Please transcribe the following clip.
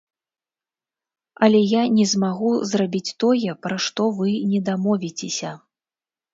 Але я не змагу зрабіць тое, пра што вы не дамовіцеся.